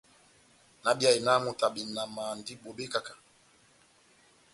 Náhábíyahi náh moto wa benama andi bobé kahá-kahá.